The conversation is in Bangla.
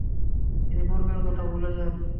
তিনি পূর্বের কথা ভুলে যান।